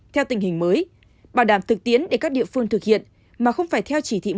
theo tình hình mới bảo đảm thực tiến để các địa phương thực hiện mà không phải theo chỉ thị một mươi năm một mươi sáu một mươi chín